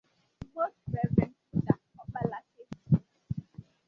'Most Revd' Peter Okpalaeke